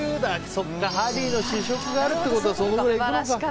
そっかハリーの試食があるってことはそのくらいいくのか。